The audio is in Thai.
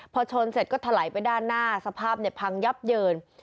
พอชนเสร็จก็ถลายไปด้านหน้าสภาพพังยับเยิน